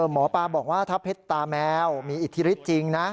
หมอปลาบอกว่าถ้าเพชรตาแมวมีอิทธิฤทธิจริงนะ